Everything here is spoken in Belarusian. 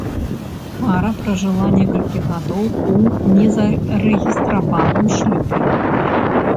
Пара пражыла некалькі гадоў у незарэгістраваным шлюбе.